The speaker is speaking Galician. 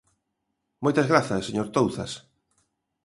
Moitas grazas, señor Touzas.